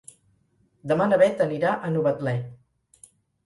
Demà na Beth anirà a Novetlè.